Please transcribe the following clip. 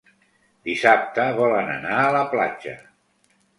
Dissabte volen anar a la platja.